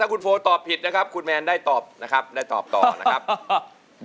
คุณโฟตอบผิดนะครับคุณแมนได้ตอบนะครับได้ตอบต่อนะครับ